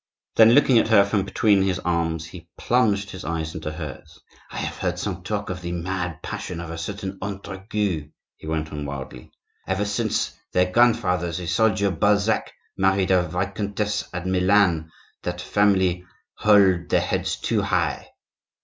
Then looking at her from between his arms, he plunged his eyes into hers. "I have heard some talk of the mad passion of a certain Entragues," he went on wildly. "Ever since their grandfather, the soldier Balzac, married a viscontessa at Milan that family hold their heads too high."